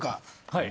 はい。